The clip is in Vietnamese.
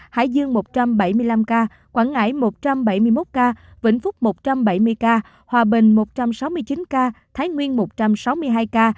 hải dương một trăm bảy mươi năm ca quảng ngãi một trăm bảy mươi một ca vĩnh phúc một trăm bảy mươi ca hòa bình một trăm sáu mươi chín ca thái nguyên một trăm sáu mươi hai ca